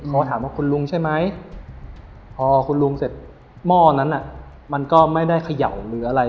พอถามว่าคุณลุงใช่ไหมพอคุณลุงเสร็จหม้อนั้นมันก็ไม่ได้เขย่าหรืออะไร